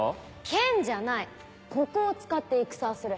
剣じゃないここを使って戦をする。